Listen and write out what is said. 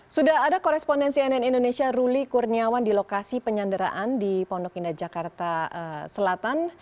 sudah ada korespondensi nn indonesia ruli kurniawan di lokasi penyanderaan di pondok indah jakarta selatan